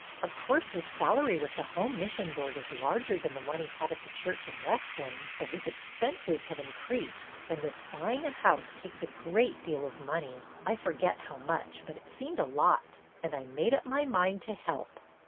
Of course his salary with the Home Mission Board is larger than the one he had at the church in Weston, but his expenses have in creased, and this buying a house takes a great deal of money, — I forget how much, but it seemed a lot, — and I made up my mind to help.